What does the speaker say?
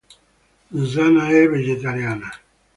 Susanna è vegetariana.